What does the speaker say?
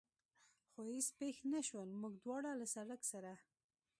خو هېڅ پېښ نه شول، موږ دواړه له سړک سره.